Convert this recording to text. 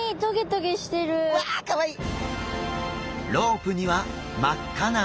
かわいい！